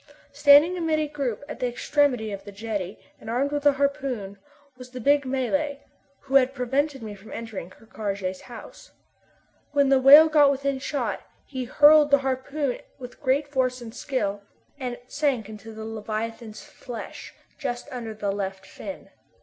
Standing amid a group, at the extremity of the jetty, and armed with a harpoon, was the big Malay who had prevented me from entering Ker Karraje's house. When the whale got within shot, he hurled the harpoon with great force and skill, and it sank into the leviathan's flesh just under the left fin.